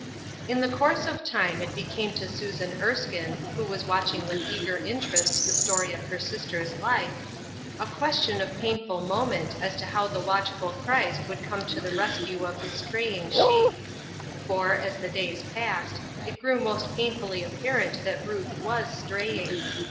w)y^N the course of time it became to Susan "^^^ Erskine, who was watching with eager interest the stor}^ of her sister's life, a question of painful moment as to how the watchful Christ would come to the rescue of his straying sheep. For, as the days passed, it grew most painfully apparent that Ruth was straying.